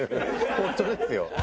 本当ですよ。